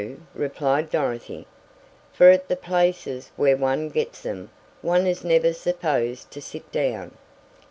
"That's true," replied Dorothy, "for at the places where one gets them one is never supposed to sit down.